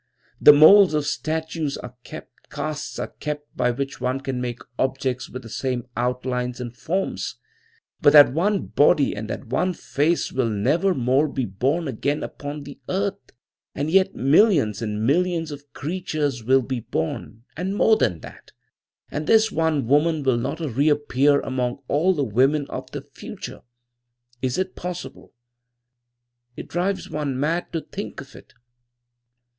The molds of statues are kept; casts are kept by which one can make objects with the same outlines and forms. But that one body and that one face will never more be born again upon the earth. And yet millions and millions of creatures will be born, and more than that, and this one woman will not reappear among all the women of the future. Is it possible? It drives one mad to think of it.